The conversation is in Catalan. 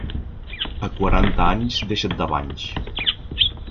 A quaranta anys deixa't de banys.